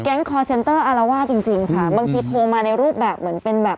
คอร์เซ็นเตอร์อารวาสจริงจริงค่ะบางทีโทรมาในรูปแบบเหมือนเป็นแบบ